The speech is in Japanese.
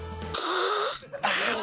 ああ。